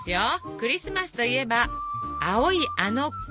「クリスマスといえば青いあの子」。